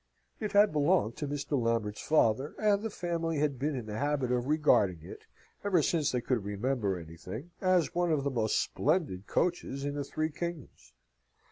It had belonged to Mr. Lambert's father, and the family had been in the habit of regarding it, ever since they could remember anything, as one of the most splendid coaches in the three kingdoms.